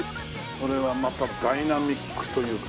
これはまたダイナミックというか。